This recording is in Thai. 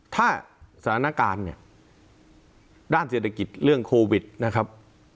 ถ้าสถานการณ์เนี่ยด้านเศรษฐกิจเรื่องโควิดนะครับ